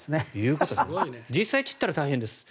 実際散ったら大変です。